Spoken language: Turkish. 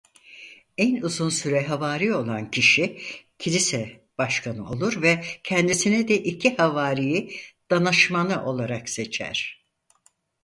En uzun süre havari olan kişi Kilise Başkanı olur ve kendisine de iki havariyi danışmanı olarak seçer.